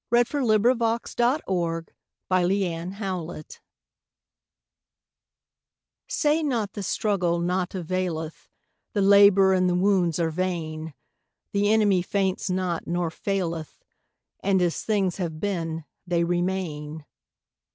Say Not the Struggle Naught Availeth SAY not the struggle naught availeth, The labour and the wounds are vain, The enemy faints not, nor faileth, And as things have been they remain.